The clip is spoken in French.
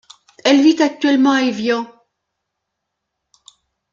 Elle vit actuellement à Évian.